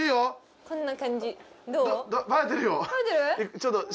こんな感じどう？